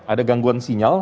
ada gangguan sinyal